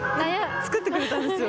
作ってくれたんですよ。